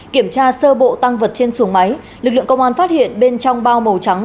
kiểm tra sơ bộ tăng vật trên xuồng máy lực lượng công an phát hiện bên trong bao màu trắng